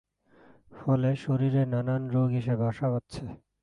ফলে শরীরে নানান রোগ এসে বাসা বাঁধছে।